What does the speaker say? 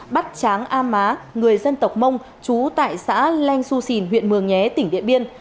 bắt tráng a má người dân tộc mông chú tại xã lanh xu xìn huyện mường nhé tỉnh điện biên